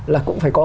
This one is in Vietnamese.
là cũng phải có